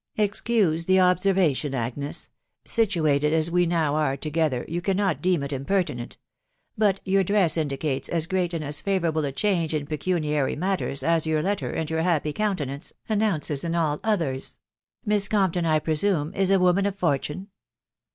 ... Excuse the observation Agnes, .... situated as we now are together, you eanaet deem it impertinent, .... but your dress indicates as greaf and as favourable a change in pecuniary matters, as your lettes, and. your happy countenance, announces in all others. '.•• Mbx Compton, I presume, is a woman of fortune